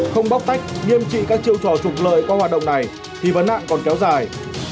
không bóc tách nghiêm trị các chiêu trò trục lợi qua hoạt động này thì vấn nạn còn kéo dài